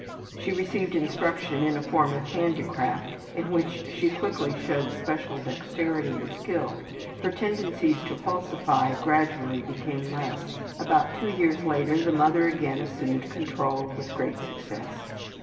She received instruction in a form of handicraft in which she quickly showed special dexterity and skill. Her tendencies to falsify gradually became less. About two years later the mother again assumed control with great success.